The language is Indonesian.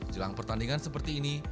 jelang pertandingan seperti ini